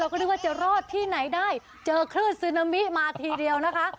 ก็นึกว่าจะรอดที่ไหนได้เจอคลื่นซึนามิมาทีเดียวนะคะ